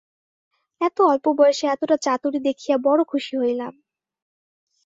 এত অল্প বয়সে এতটা চাতুরী দেখিয়া বড়ো খুশি হইলাম।